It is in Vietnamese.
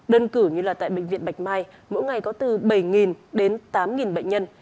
đơn cử như là tại bệnh viện bạch mai mỗi ngày có từ bảy đến tám bệnh nhân